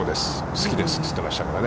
好きですと言ってましたからね。